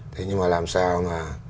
thế nhưng mà làm sao mà